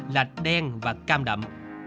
là đen và cam đậm